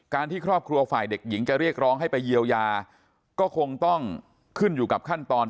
ที่ครอบครัวฝ่ายเด็กหญิงจะเรียกร้องให้ไปเยียวยาก็คงต้องขึ้นอยู่กับขั้นตอน